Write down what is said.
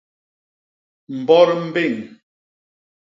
Mbot mbéñ.